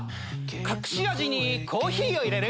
「隠し味にコーヒーを入れる」。